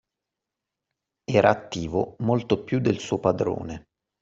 Era attivo molto più del suo padrone